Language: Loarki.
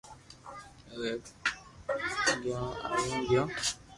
اووي ڀوپو آوي گيو